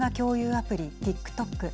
アプリＴｉｋＴｏｋ。